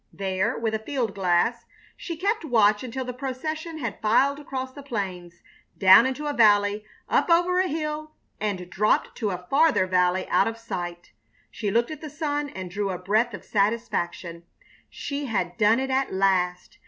There, with a field glass, she kept watch until the procession had filed across the plains, down into a valley, up over a hill, and dropped to a farther valley out of sight. She looked at the sun and drew a breath of satisfaction. She had done it at last!